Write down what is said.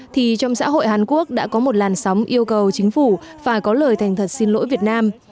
thì trong xã hội hàn quốc đã có một làn sóng yêu cầu chính phủ phải có lời thành thật xin lỗi việt nam